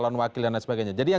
akan lebih menyelambatkan pendidikan